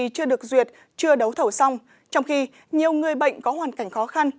nhưng vì chưa được duyệt chưa đấu thẩu xong trong khi nhiều người bệnh có hoàn cảnh khó khăn